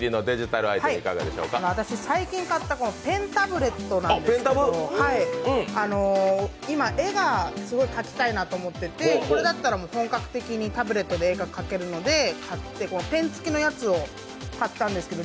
最近買ったペンタブレットなんですけど今、絵がすごい描きたいなと思ってて、これだったら、本格的にタブレットで絵が描けるのでペン付きのやつを買ったんですけど。